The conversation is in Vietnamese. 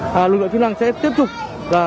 lực lượng chức năng sẽ tiếp tục